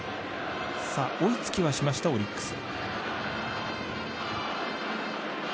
追いつきはしました、オリックス。